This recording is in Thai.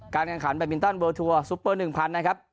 การกันขันแบบวินเติ้ลเวอร์ทัวร์ซุปเปอร์หนึ่งพันนะครับ